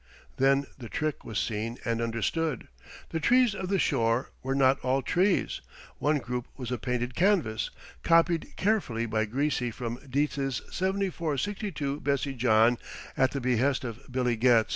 Then the trick was seen and understood. The trees of the shore were not all trees. One group was a painted canvas, copied carefully by Greasy from Dietz's 7462 Bessie John at the behest of Billy Getz.